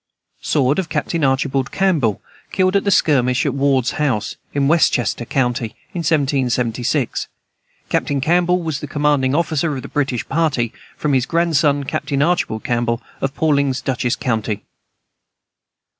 Sword of Captain Archibald Campbell, killed at the skirmish at Ward's house, in Weschester county, in 1776. Captain Campbell was the commanding officer of the British party. From his grandson, Captain Archibald Campbell, of Pawlings, Dutchess county.